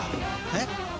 えっ？